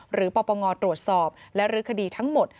หรือปรบประงอตรวจสอบและฤทธิ์คดีทั้งหมด